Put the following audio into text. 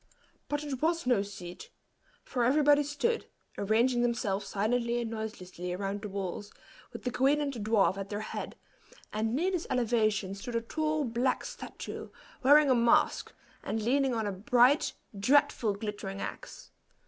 But it was no seat; for everybody stood, arranging themselves silently and noiselessly around the walls, with the queen and the dwarf at their head, and near this elevation stood a tall, black statue, wearing a mask, and leaning on a bright, dreadful, glittering axe.